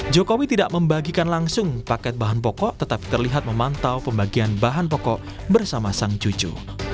jokowi tidak membagikan langsung paket bahan pokok tetapi terlihat memantau pembagian bahan pokok bersama sang cucu